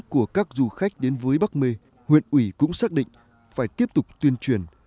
của các du khách đến với bắc mê huyện ủy cũng xác định phải tiếp tục tuyên truyền